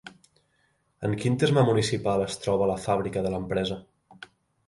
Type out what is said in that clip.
En quin terme municipal es troba la fàbrica de l'empresa?